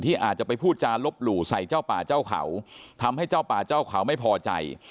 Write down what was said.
อาจจะไปพูดจารบหลู่ใส่เจ้าป่าเจ้าเขาทำให้เจ้าป่าเจ้าเขาไม่พอใจ